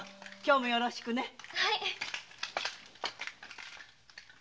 今日もよろしくね。